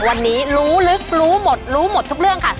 วันนี้รู้ลึกรู้หมดรู้หมดทุกเรื่องค่ะ